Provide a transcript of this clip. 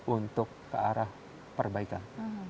untuk ke arah perbaikan